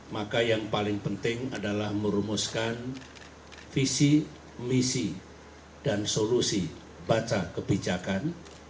maka yang paling penting adalah merumuskan visi misi dan solusi baca kebijakan